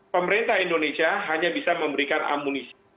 pemerintah indonesia hanya bisa memberikan amunisi